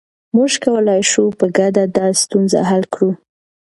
موږ کولای شو په ګډه دا ستونزه حل کړو.